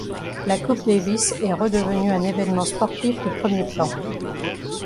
La Coupe Davis est redevenue un événement sportif de premier plan.